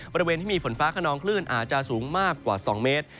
บริเวณที่มีฝนฟ้าขนองคลื่นอาจจะสูงมากกว่า๒เมตร